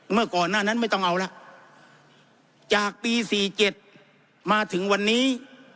เมื่อก่อนหน้านั้นไม่ต้องเอาละจากปี๔๗มาถึงวันนี้